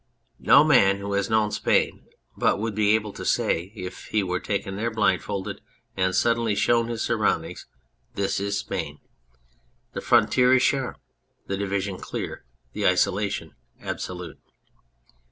No man who has known Spain but would be able to say, if he were taken there blindfold, and suddenly shown his surroundings, " This is Spain." The frontier is sharp, the division clear, the isolation absolute.